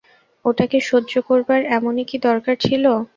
ওটাকে সহ্য করবার এমনই কী দরকার ছিল?